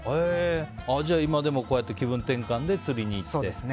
じゃあ、今でもこうやって気分転換で釣りに行かれて。